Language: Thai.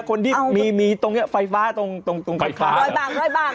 คนที่มีตรงนี้ไฟฟ้าตรงข้างไฟฟ้ารอยบางรอยบาง